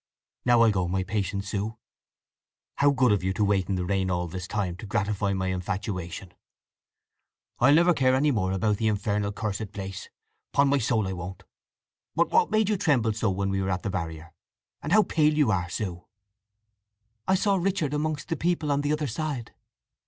"Now I'll go, my patient Sue. How good of you to wait in the rain all this time—to gratify my infatuation! I'll never care any more about the infernal cursed place, upon my soul I won't! But what made you tremble so when we were at the barrier? And how pale you are, Sue!" "I saw Richard amongst the people on the other side."